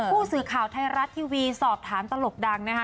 ผู้สื่อข่าวไทยรัฐทีวีสอบถามตลกดังนะคะ